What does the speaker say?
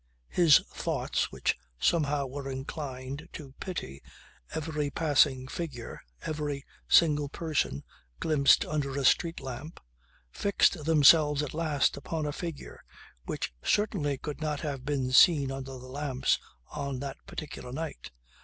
His thoughts which somehow were inclined to pity every passing figure, every single person glimpsed under a street lamp, fixed themselves at last upon a figure which certainly could not have been seen under the lamps on that particular night.